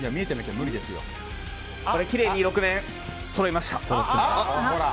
きれいに６面そろいました！